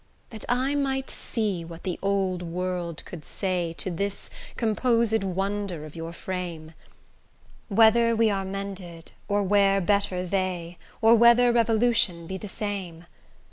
That I might see what the old world could say To this composed wonder of your frame; Wh'r we are mended, or wh'r better they, Or whether revolution be the same.